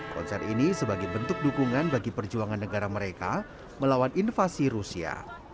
konser ini sebagai bentuk dukungan bagi perjuangan negara mereka melawan invasi rusia